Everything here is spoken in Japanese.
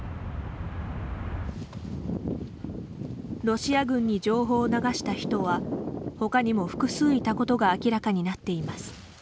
ロシア軍に情報を流した人は他にも複数いたことが明らかになっています。